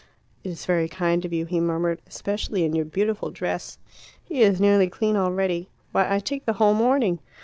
"It is very kind of you," he murmured, "especially in your beautiful dress. He is nearly clean already. Why, I take the whole morning!